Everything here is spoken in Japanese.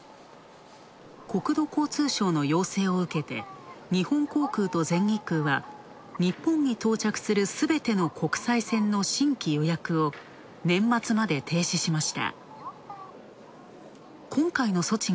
国土交通省の要請を受けて、日本航空と全日空は、日本に到着するすべての国際線の新規予約を年末まで停止しました。